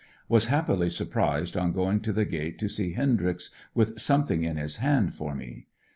Was happily surprised on going to the gate to see Hendryx with something in his hand for me.